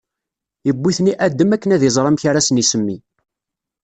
iwwi-ten i Adam akken ad iẓer amek ara sen-isemmi.